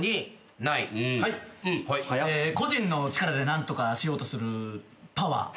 個人の力で何とかしようとするパワー。